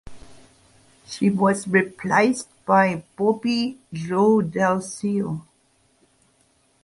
She was replaced by Bobbi Jo Dalziel.